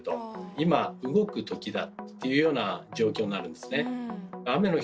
今動く時だっていうような状況になるんですね。